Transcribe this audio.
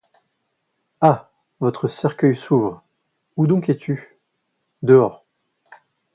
Ah! votre cercueil s’ouvre: — Où donc es-tu? — Dehors.